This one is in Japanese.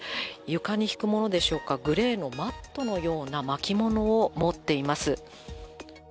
床にひくものでしょうか、グレーのマットのような巻き物を持っています。